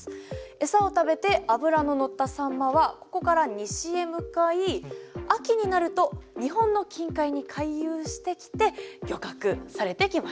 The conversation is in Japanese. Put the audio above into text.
えさを食べて脂の乗ったサンマはここから西へ向かい秋になると日本の近海に回遊してきて漁獲されてきました。